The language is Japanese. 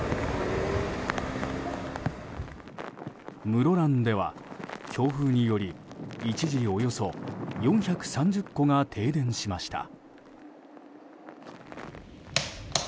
室蘭では強風により一時およそ４３０戸が停電しました。